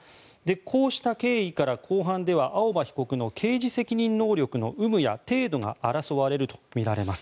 こうした経緯から、公判では青葉被告の刑事責任能力の有無や程度が争われるとみられます。